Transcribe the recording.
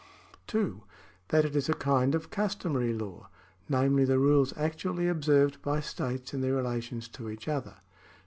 (2) That it is a kind of customary law, namely the rules actually observed by states in their relations to each other.